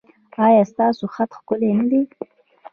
ایا ستاسو خط ښکلی دی؟